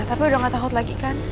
tapi udah gak takut lagi kan